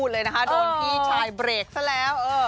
เราอยู่ไว้เฉย